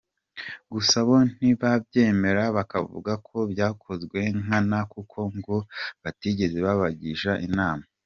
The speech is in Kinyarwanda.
Gusa bo ntibabyemera, bakavuga ko byakozwe nkana kuko ngo batigeze babagisha inama.